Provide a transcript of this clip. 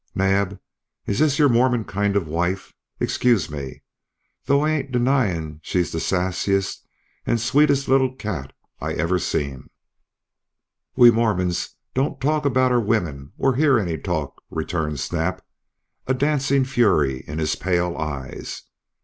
"Naab, if this's your Mormon kind of wife excuse me! Though I ain't denyin' she's the sassiest an' sweetest little cat I ever seen!" "We Mormons don't talk about our women or hear any talk," returned Snap, a dancing fury in his pale eyes.